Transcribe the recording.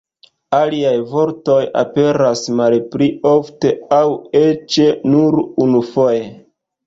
Aliaj vortoj aperas malpli ofte, aŭ eĉ nur unufoje.